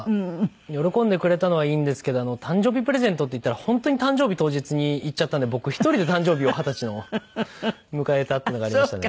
喜んでくれたのはいいんですけど誕生日プレゼントって言ったら本当に誕生日当日に行っちゃったんで僕１人で誕生日を二十歳の迎えたっていうのがありましたね。